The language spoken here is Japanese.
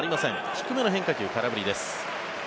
低めの変化球、空振りです。